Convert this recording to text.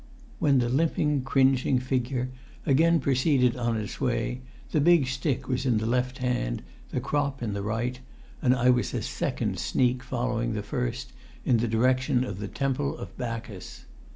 When the limping, cringing figure again proceeded on its way, the big stick was in the left hand, the crop in the right, and I was a second sneak following the first, in the direction of the Temple of Bacchus.